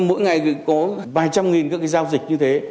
mỗi ngày có vài trăm nghìn các cái giao dịch như thế